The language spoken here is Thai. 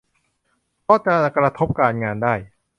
เพราะจะกระทบการงานได้